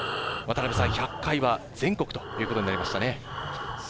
１００回は全国ということになりましたね。